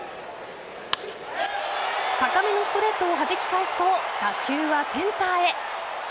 高めのストレートをはじき返すと打球はセンターへ。